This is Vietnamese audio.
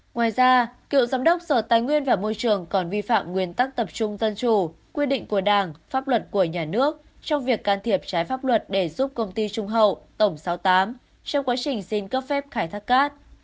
ngoài ra cựu giám đốc sở tài nguyên và môi trường còn vi phạm nguyên tắc tập trung dân chủ quy định của đảng pháp luật của nhà nước trong việc can thiệp trái pháp luật để giúp công ty trung hậu tổng sáu mươi tám trong quá trình xin cấp phép khai thác cát